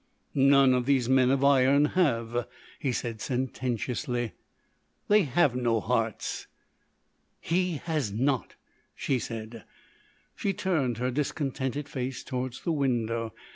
"None of these men of iron have," he said sententiously. "They have no hearts." "He has not," she said. She turned her discontented face towards the window.